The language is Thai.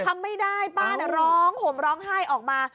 ทำไม่ได้ป้าร้องห่มร้องไห้ออกมา